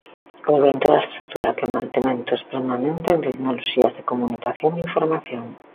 Ou, ben, toda a estrutura que mantementos permanente en tecnoloxías de comunicación e información.